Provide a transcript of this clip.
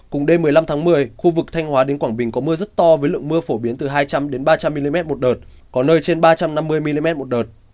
cùng đêm một mươi năm tháng một mươi khu vực thanh hóa đến quảng bình có mưa rất to với lượng mưa phổ biến từ hai trăm linh ba trăm linh mm một đợt có nơi trên ba trăm năm mươi mm một đợt